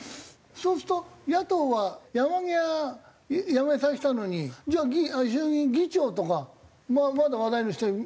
そうすると野党は山際辞めさせたのにじゃあ衆議院議長とかまだ話題の人はいますよね？